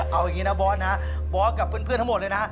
เอาอย่างนี้นะบอสนะบอสกับเพื่อนทั้งหมดเลยนะ